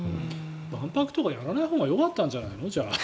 万博とかやらないほうがよかったんじゃないの？